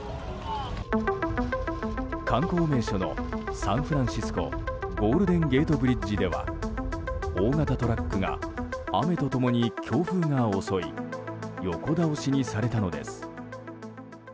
観光名所のサンフランシスコゴールデンゲートブリッジでは大型トラックが雨と共に強風が襲い横倒しにされたのです。